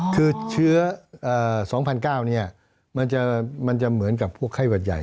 คือเชื้อ๒๙๐๐มันจะเหมือนกับพวกไข้หวัดใหญ่